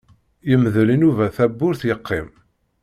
Yemdel Inuba tawwurt yeqqim.